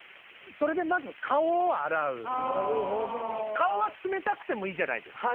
顔は冷たくてもいいじゃないですか。